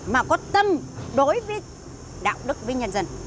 mà có tâm đối với đạo đức với nhân dân